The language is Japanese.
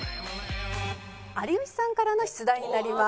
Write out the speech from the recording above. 有吉さんからの出題になります。